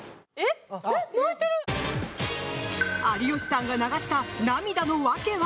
有吉さんが流した涙の訳は？